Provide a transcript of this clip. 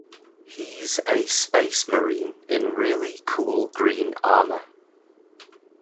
He's a space Marine in really cool green armor.